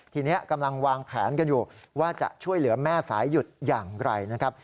ทีนี้กำลังวางแผนกันอยู่ว่าจะช่วยเหลือแม่สายหยุดอย่างไรนะครับ